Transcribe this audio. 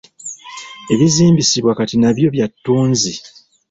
Ebizimbisibwa kati nabyo byattunzi.